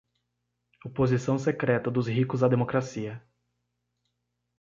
Oposição secreta dos ricos à democracia.